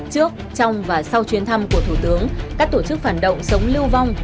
trước trong và sau chuyến thăm của thủ tướng các tổ chức phản động sống lưu vong